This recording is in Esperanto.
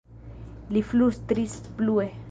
li flustris plue.